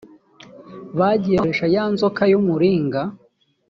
bagiye bakoresha ya nzoka y umuringa